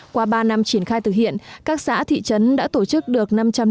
qua ba năm triển khai thực hiện các xã thị trấn đã tổ chức được năm trăm linh hai